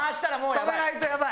止めないとやばい。